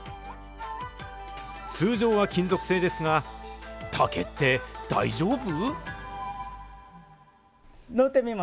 通常は金属製ですが、竹って、大丈夫？